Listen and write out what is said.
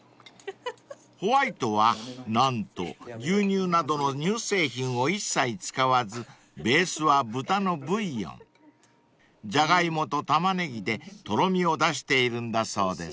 ［ホワイトは何と牛乳などの乳製品を一切使わずベースは豚のブイヨン］［ジャガイモとタマネギでとろみを出しているんだそうです］